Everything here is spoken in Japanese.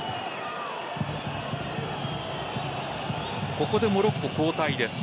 ここでモロッコ交代です。